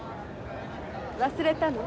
忘れたの？